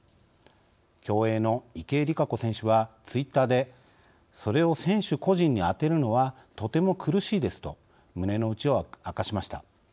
競泳の池江璃花子選手はツイッターで「それを選手個人に当てるのはとても苦しいです」と胸のうちを明かしました。